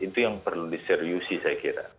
itu yang perlu diseriusi saya kira